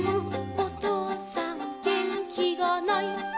おとうさんげんきがない」